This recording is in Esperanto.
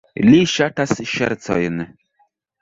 Li ŝatas ŝercojn.